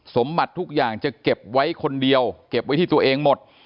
สมบัติทุกอย่างจะเก็บไว้คนเดียวเก็บไว้ที่ตัวเองหมด